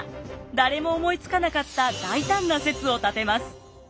誰も思いつかなかった大胆な説を立てます。